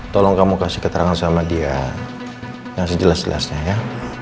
tolong kamu kasih keterangan sama dia yang sejelas jelasnya ya